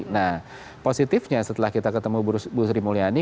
nah positifnya setelah kita ketemu bu sri mulyani